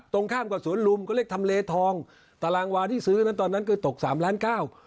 ตรงข้ามกับสวนลุมก็เรียกทำเลทองตารางวาที่ซื้อนั้นตอนนั้นคือตกสามล้านเก้า